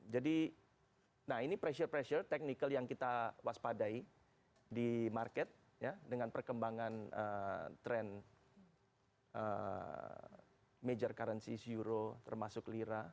jadi nah ini pressure pressure technical yang kita waspadai di market ya dengan perkembangan trend major currency euro termasuk lira